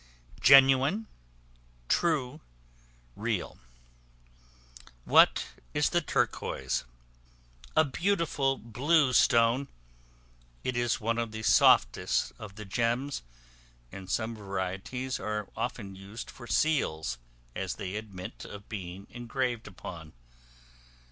Genuine, true, real. What is the Turquois? A beautiful blue stone; it is one of the softest of the gems, and some varieties are often used for seals, as they admit of being engraved upon.